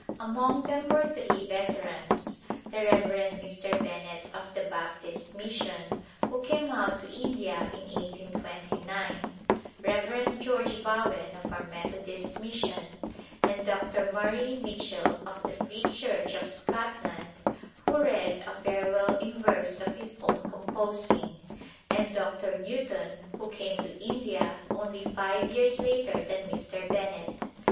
Among them were three veterans, the Rev. Mr. Bennett of the Baptist Mission, who came out to India in 1829, Rev. George Bowen of our Methodist Mission, and Dr. Murray Mitchell of the Free Church of Scotland, who read a farewell in verse of his own composing, and Dr. Newton who came to India only five years later than Mr. Bennett.